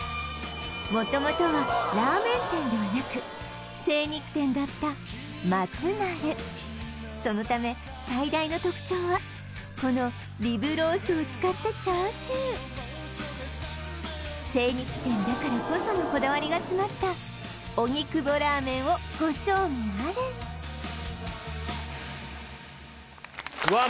元々はラーメン店ではなく精肉店だったマツマルそのため最大の特徴はこのリブロースを使ったチャーシュー精肉店だからこそのこだわりが詰まった荻窪ラーメンをご賞味あれうわ